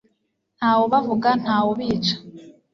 ntawe ubavuga ntawe ubica